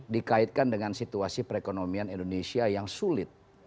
dikaitkan dengan situasi perekonomian indonesia yang sulit